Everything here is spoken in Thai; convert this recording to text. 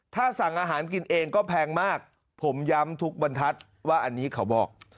ถ้าสั่งอาหารกินเองก็แพงมากผมย้ำทุกบรรทัศน์ว่าอันนี้เขาบอก